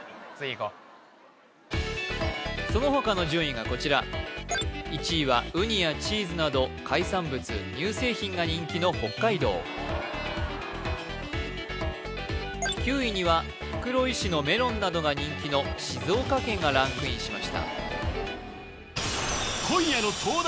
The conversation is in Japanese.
こうその他の順位がこちら１位はうにやチーズなど海産物乳製品が人気の北海道９位には袋井市のメロンなどが人気の静岡県がランクインしました